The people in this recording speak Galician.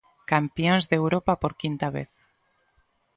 Campións de Europa por quinta vez.